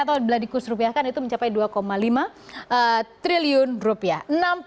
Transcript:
atau berada di kursi rupiah kan itu mencapai dua lima triliun rupiah